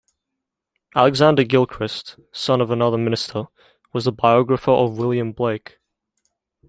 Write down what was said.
Alexander Gilchrist, son of another minister, was the biographer of William Blake.